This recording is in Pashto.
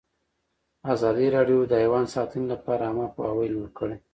ازادي راډیو د حیوان ساتنه لپاره عامه پوهاوي لوړ کړی.